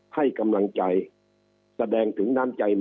ให้กำลังใจแสดงถึง